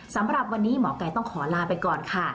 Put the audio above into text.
สำหรับวันนี้หมอกัยต้องขอลาไปก่อนค่ะ